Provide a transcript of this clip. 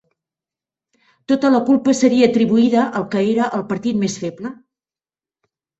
Tota la culpa seria atribuïda al que era el partit més feble